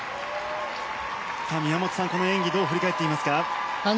宮本さん、この演技どう振り返ってみますか？